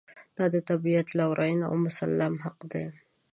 دا د طبعیت لورېینه او مسلم حق دی.